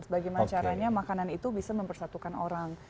bagaimana caranya makanan itu bisa mempersatukan orang